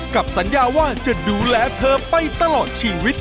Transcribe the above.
สัญญาว่าจะดูแลเธอไปตลอดชีวิต